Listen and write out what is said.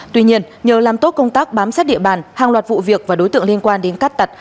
tuy nhiên nhờ làm tốt công tác bám sát địa bàn hàng loạt vụ việc và đối tượng liên quan đến cắt tặt